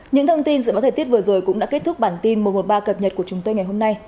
những thông tin dự báo thời tiết vừa rồi cũng đã kết thúc bản tin một trăm một mươi ba cập nhật của chúng tôi ngày hôm nay